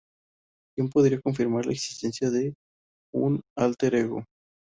¿Quién podría confirmar la existencia de un Alter Ego?